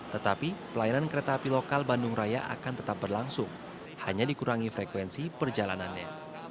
tetapi pelayanan kereta api lokal bandung raya akan tetap berlangsung hanya dikurangi frekuensi perjalanannya